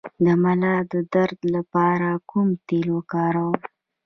د ملا درد لپاره کوم تېل وکاروم؟